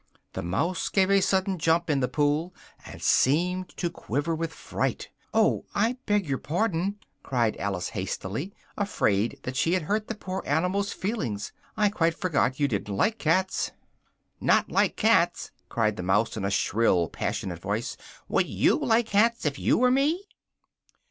The mouse gave a sudden jump in the pool, and seemed to quiver with fright: "oh, I beg your pardon!" cried Alice hastily, afraid that she had hurt the poor animal's feelings, "I quite forgot you didn't like cats!" "Not like cats!" cried the mouse, in a shrill, passionate voice, "would you like cats if you were me?"